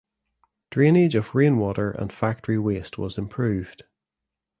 Drainage of rainwater and factory waste was improved.